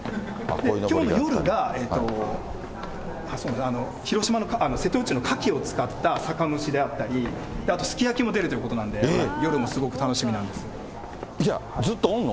きょうの夜が広島の、瀬戸内のカキを使った酒蒸しであったり、あとすき焼きも出るということなんで、いや、ずっとおんの？